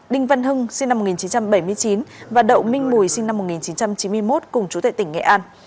đinh văn hưng sinh năm một nghìn chín trăm bảy mươi chín và đậu minh mùi sinh năm một nghìn chín trăm chín mươi một cùng chú tệ tỉnh nghệ an